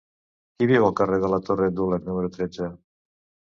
Qui viu al carrer de la Torre Dulac número tretze?